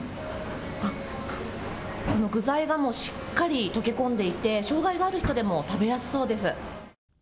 具材がしっかり溶け込んでいて障害がある人でも食べやすそうです。